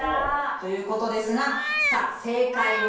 という事ですがさあ正解は。